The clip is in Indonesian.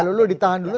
baluluh ditahan dulu